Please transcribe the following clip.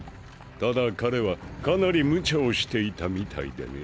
ただ彼はかなり無茶をしていたみたいでね。